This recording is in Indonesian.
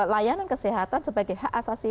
layanan kesehatan sebagai hak asasi